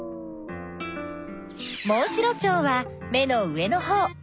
モンシロチョウは目の上のほう。